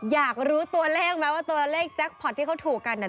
อยากรู้ตัวเลขไหมว่าตัวเลขแจ็คพอร์ตที่เขาถูกกัน